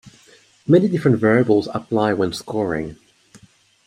Many different variables apply when scoring.